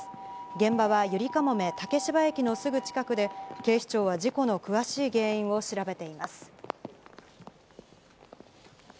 現場はゆりかもめ竹芝駅のすぐ近くで、警視庁は事故の詳しい原因を調べています。